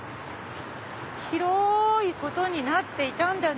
広いことになっていたんだね！